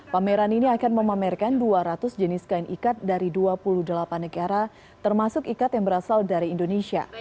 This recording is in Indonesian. pameran ini akan memamerkan dua ratus jenis kain ikat dari dua puluh delapan negara termasuk ikat yang berasal dari indonesia